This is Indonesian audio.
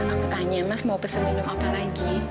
aku tanya mas mau pesan minum apa lagi